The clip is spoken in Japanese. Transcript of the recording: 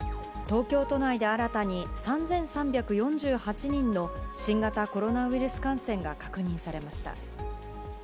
東京都内で新たに３３４８人の新型コロナウイルス感染が確認されました。